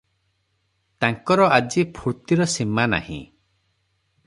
ତାଙ୍କର ଆଜି ଫୁର୍ତ୍ତିର ସୀମାନାହିଁ ।